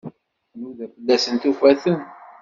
Tnuda fell-asen, tufa-ten.